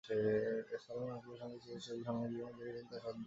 সালমান আঙ্কেলের সঙ্গে তাঁর সেই ছবি সামাজিক যোগাযোগমাধ্যমে দেখেছেন তাঁর দর্শকেরা।